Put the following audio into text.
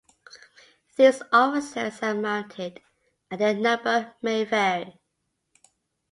These officers are mounted and their number may vary.